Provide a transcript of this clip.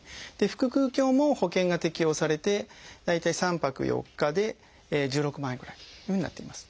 腹腔鏡も保険が適用されて大体３泊４日で１６万円ぐらいというふうになっています。